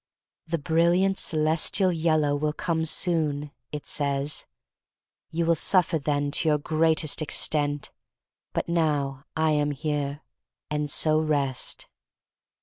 "The brilliant celestial yellow will come soon," it says; you will suffer then to your greatest extent. But now I am here — and so, rest."